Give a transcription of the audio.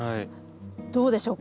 どうでしょう？